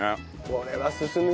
これは進むよ。